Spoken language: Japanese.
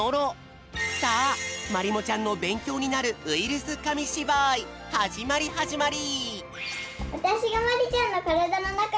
さあまりもちゃんのべんきょうになるウイルスかみしばいはじまりはじまり！